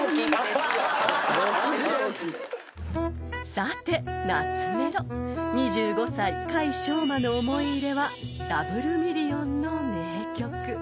［さて懐メロ２５歳甲斐翔真の思い入れはダブルミリオンの名曲］